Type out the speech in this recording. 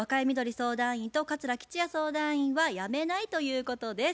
相談員と桂吉弥相談員は「やめない」ということです。